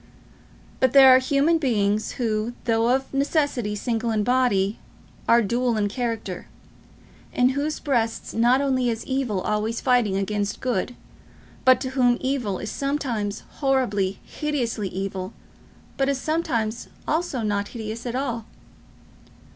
But there are human beings who, though of necessity single in body, are dual in character; in whose breasts not only is evil always fighting against good, but to whom evil is sometimes horribly, hideously evil, but is sometimes also not hideous at all.